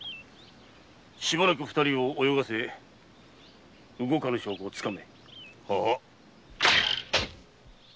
しばらく二人を泳がせ動かぬ証拠をつかめ。